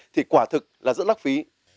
thì quả thực là rất lãng phí